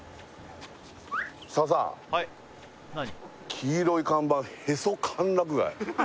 黄色い看板へそ歓楽街？